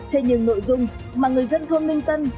thế nhưng nội dung mà người dân thôn minh tân